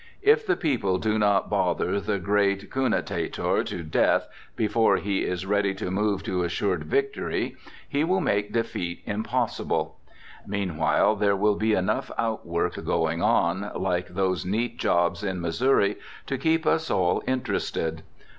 If the people do not bother the great Cunetator to death before he is ready to move to assured victory, he will make defeat impossible. Meanwhile there will be enough outwork going on, like those neat jobs in Missouri, to keep us all interested......